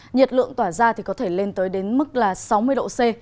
nhiệt lượng tỏa ra thì có thể lên tới đến mức là sáu mươi độ c